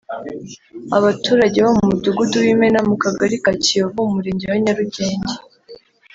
Abaturage bo mu Mudugudu w’Imena mu Kagari ka Kiyovu mu Murenge wa Nyarugenge